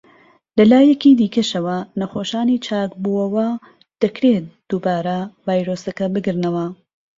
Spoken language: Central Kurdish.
لە لایەکی دیکەشەوە، نەخۆشانی چاکبووەوە دەکرێت دووبارە ڤایرۆسەکە بگرنەوە.